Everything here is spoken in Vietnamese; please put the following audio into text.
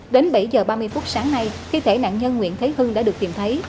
đến bảy giờ ba mươi phút sáng nay khi thể nạn nhân nguyễn thế hưng đã được tìm thấy